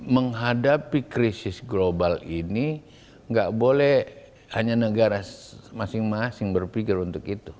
menghadapi krisis global ini nggak boleh hanya negara masing masing berpikir untuk itu